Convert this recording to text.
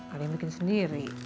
ada yang bikin sendiri